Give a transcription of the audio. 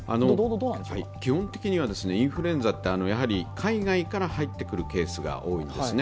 基本的にはインフルエンザって海外から入ってくるケースが多いんですね。